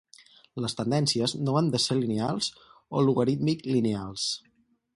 Les tendències no han de ser lineals o logarítmic-lineals.